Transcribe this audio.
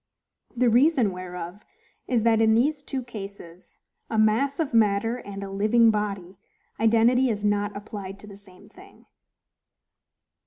The reason whereof is, that, in these two cases—a MASS OF MATTER and a LIVING BODY—identity is not applied to the same thing.